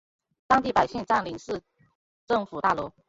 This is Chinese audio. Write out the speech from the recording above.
当地百姓占领市政府大楼。